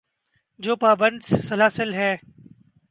جو پابند سلاسل ہیں۔